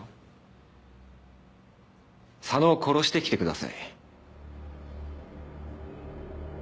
佐野を殺してきてください。